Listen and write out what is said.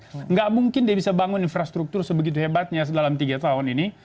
tidak mungkin dia bisa bangun infrastruktur sebegitu hebatnya dalam tiga tahun ini